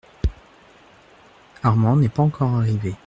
Armand n’est pas encore arrivé.